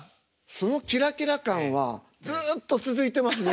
そのキラキラ感はずっと続いてますね。